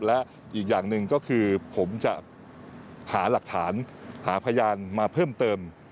และอีกอย่างหนึ่งก็คือผมจะหาหลักฐานหาพยานมาเพิ่มเติม